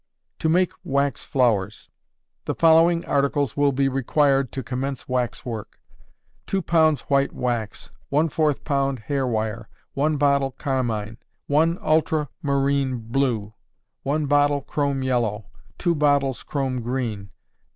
To Make Wax Flowers. The following articles will be required to commence wax work: 2 lbs. white wax, ¼ lb. hair wire, 1 bottle carmine, 1 ultramarine blue, 1 bottle chrome yellow, 2 bottles chrome green, No.